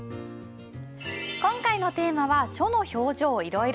今回のテーマは「書の表情いろいろ」。